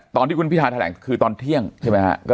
ตอนที่คุณพิทาแถลงคือตอนเที่ยงใช่ไหมฮะ